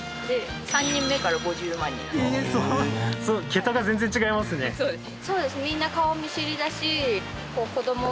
桁が全然違いますね。